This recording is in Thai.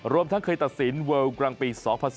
ทั้งเคยตัดสินเวิลกลางปี๒๐๑๙